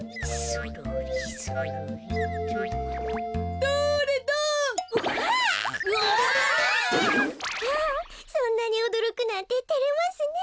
そんなにおどろくなんててれますね。